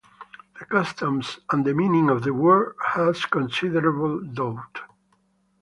The customs and the meaning of the word has considerable doubt.